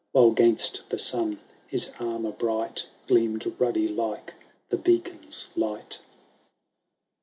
While 'gainst the sun his armour bright Gleam "d ruddy like the beacon's light.